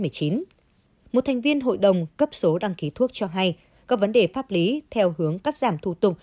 một thành viên hội đồng cấp số đăng ký thuốc cho hay các vấn đề pháp lý theo hướng cắt giảm thủ tục